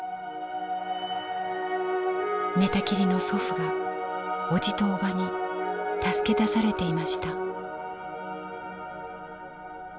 寝たきりの祖父がおじとおばに助け出されていました」。